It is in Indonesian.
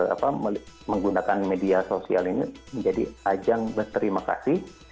apa menggunakan media sosial ini menjadi ajang berterima kasih